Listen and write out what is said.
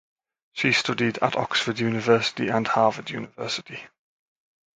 She studied at Oxford University and Harvard University.